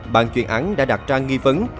ban chuyên án đã đặt ra nghi vấn